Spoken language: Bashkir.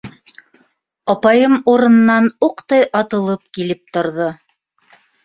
Апайым урынынан уҡтай атылып килеп торҙо.